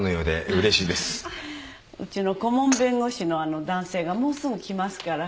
うちの顧問弁護士の男性がもうすぐ来ますから。